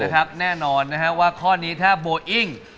ครับแน่นอนนะฮะว่าข้อนี้ถ้าโบอิ้ง